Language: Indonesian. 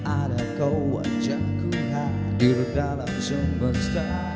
ada kau wajahku yang hadir dalam semesta